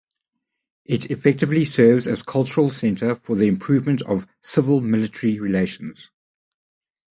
It effectively serves as cultural center for the improvement of civil–military relations.